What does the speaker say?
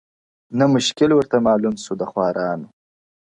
نه مشکل ورته معلوم سو د خوارانو-